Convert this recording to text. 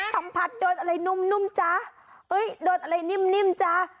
คำผัดโดดอะไรนุ่มจ้าโดดอะไรนิ่มจ้า